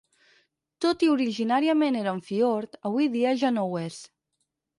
Tot i originàriament era un fiord avui dia ja no ho és.